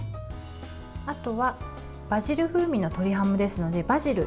あとはバジル風味の鶏ハムですのでバジル。